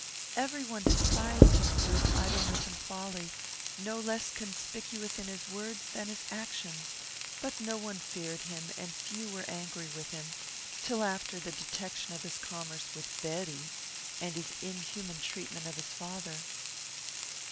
Every one despised him for his idleness and folly, no less conspicuous in his words than his actions; but no one feared him, and few were angry with him, till after the detection of his commerce with Betty, and his inhuman treatment of his father."